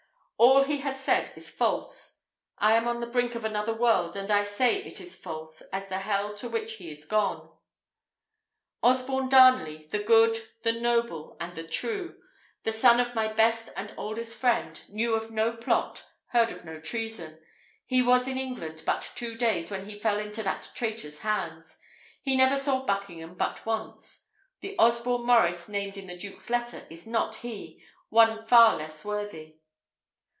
"All he has said is false. I am on the brink of another world, and I say it is false as the hell to which he is gone. Osborne Darnley, the good, the noble, and the true the son of my best and oldest friend knew of no plot, heard of no treason. He was in England but two days when he fell into that traitor's hands. He never saw Buckingham but once. The Osborne Maurice named in the duke's letter is not he; one far less worthy."